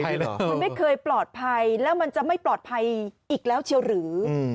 มันไม่เคยปลอดภัยแล้วมันจะไม่ปลอดภัยอีกแล้วเชียวหรือ